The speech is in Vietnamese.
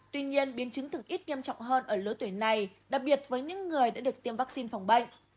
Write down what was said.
tuy nhiên biến chứng thực ít nghiêm trọng hơn ở lứa tuổi này đặc biệt với những người đã được tiêm vaccine phòng bệnh